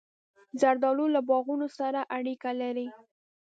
زردالو له باغونو سره اړیکه لري.